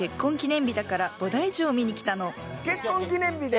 結婚記念日で？